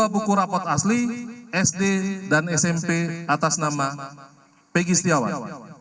dua buku rapot asli sd dan smp atas nama pegi setiawan